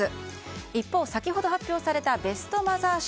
一方、先ほど発表されたベストマザー賞。